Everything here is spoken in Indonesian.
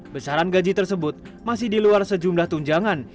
besaran gaji tersebut masih diluar sejumlah tunjangan